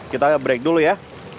kita break dulu ya